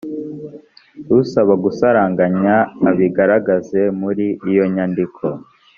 usaba gusaranganya abigaragaza muri iyo nyandiko